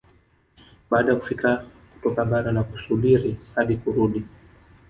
Baada ya kufika kutoka bara na kusubiri hadi kurudi